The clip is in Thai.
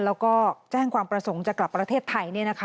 แล้วก็แจ้งความประสงค์จะกลับประเทศไทย